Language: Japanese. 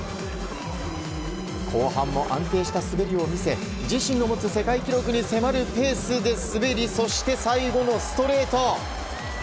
後半も安定した滑りを見せ自身の持つ世界記録に迫るペースで滑りそして、最後のストレート。